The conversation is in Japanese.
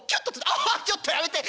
『ああちょっとやめて！